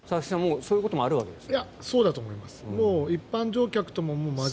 そういうこともあるわけですね。